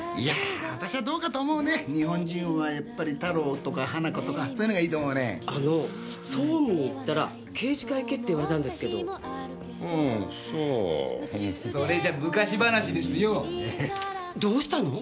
私はどうかと思うね日本人はやっぱり太郎とか花子とかそういうのがいいと思うねあの総務に行ったら刑事課へ行けって言われたんですけどうんそう・それじゃ昔話ですよどうしたの？